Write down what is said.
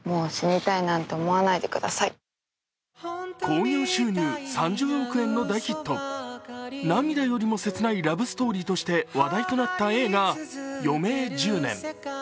興行収入３０億円の大ヒット涙よりも切ないラブストーリーとして話題となった映画「余命１０年」。